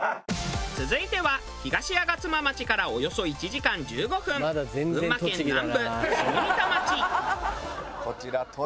続いては東吾妻町からおよそ１時間１５分群馬県南部下仁田町。